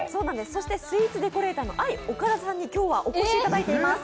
そしてスイーツデコレーターのＡＩＯＫＡＤＡさんに今日はお越しいただいております！